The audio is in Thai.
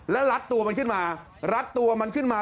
แล้วรัดตัวมันขึ้นมารัดตัวมันขึ้นมา